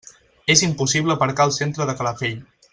És impossible aparcar al centre de Calafell.